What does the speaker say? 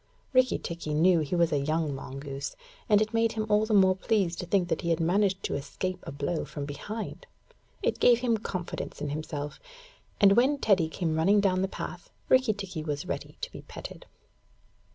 Rikki tikki knew he was a young mongoose, and it made him all the more pleased to think that he had managed to escape a blow from behind. It gave him confidence in himself, and when Teddy came running down the path, Rikki tikki was ready to be petted.